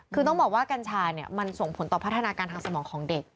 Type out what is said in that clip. คือต้องบอกว่ากัญชามันส่งผลต่อพัฒนาการทางสมองของเด็ก